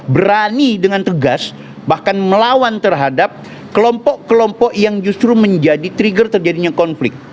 berani dengan tegas bahkan melawan terhadap kelompok kelompok yang justru menjadi trigger terjadinya konflik